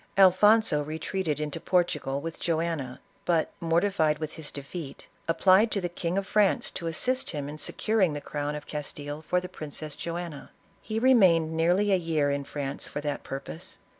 Alfonso retreated into Portugal with Joanna, but mortified with his defeat, applied to the King of France to assist him in securing the crown of Castile for the Princess Joanna ; he remained nearly a •year in France for that purpose.